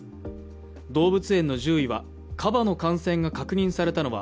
動物園の獣医は、カバの感染が確認されたのは